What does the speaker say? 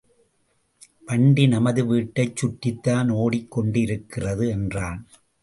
வண்டி நமது வீட்டைச் சுற்றித்தான் ஒடிக் கொண்டிருக்கிறது என்றான்.